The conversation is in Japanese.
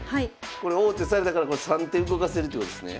これ王手されたから３手動かせるってことですね？